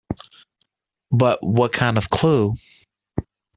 But what kind of a clue?